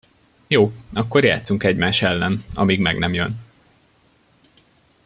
Jó, akkor játsszunk egymás ellen, amíg meg nem jön!